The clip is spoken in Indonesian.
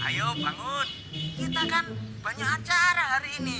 ayo bangun kita kan banyak acara hari ini